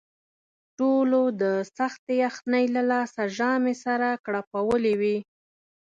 ټولو د سختې یخنۍ له لاسه ژامې سره کړپولې وې.